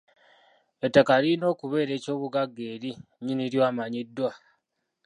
Ettaka lilina okubeera ekyobugagga eri nnyini lyo amanyiddwa.